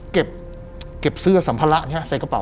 เก็บเสื้อสัมภาระใช่ไหมใส่กระเป๋า